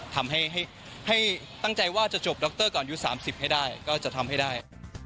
ทำให้ตั้งใจว่าจะจบดรก่อนอายุ๓๐ให้ได้ก็จะทำให้ได้